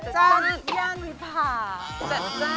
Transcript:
จัดจ้านแย่นวิภา